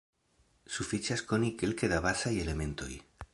Sufiĉas koni kelke da bazaj elementoj.